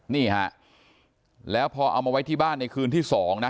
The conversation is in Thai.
นี่ฮะแล้วพอเอามาไว้ที่บ้านในคืนที่๒นะ